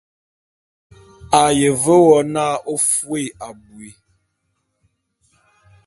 A ye ve wo n'a ô fôé abui.